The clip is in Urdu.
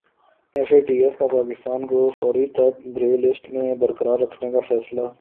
ایف اے ٹی ایف کا پاکستان کو فروری تک گرے لسٹ میں برقرار رکھنے کا فیصلہ